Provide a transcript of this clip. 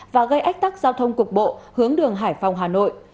và gây ách tắc giao thông cục bộ hướng đường hải phòng hà nội